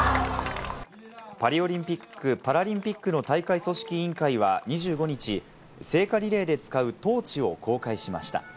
パリオリンピック・パラリンピックの大会組織委員会は２５日、聖火リレーで使うトーチを公開しました。